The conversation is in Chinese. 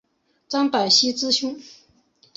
张百熙之兄。